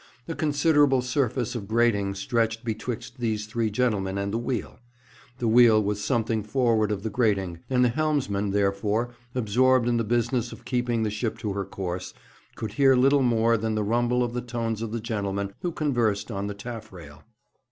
A considerable surface of grating stretched betwixt these three gentlemen and the wheel. The wheel was something forward of the grating, and the helmsman, therefore, absorbed in the business of keeping the ship to her course, could hear little more than the rumble of the tones of the gentlemen who conversed on the taffrail.